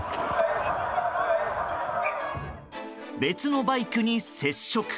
別のバイクに接触。